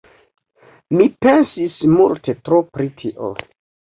Mi pensis multe tro pri tio.